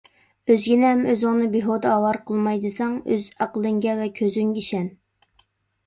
ئۆزگىنى ھەم ئۆزۈڭنى بىھۇدە ئاۋارە قىلماي دېسەڭ، ئۆز ئەقلىڭگە ۋە كۆزۈڭگە ئىشەن.